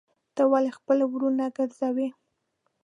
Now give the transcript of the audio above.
ته ولي خپل وروڼه ګرځوې.